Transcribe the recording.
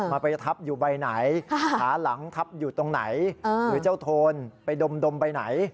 มันไปทับอยู่ใบไหนขาหลังทับอยู่ตรงไหนหรือเจ้าโทนไปดมใบไหน